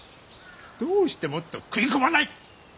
どうしてもっと食い込まない！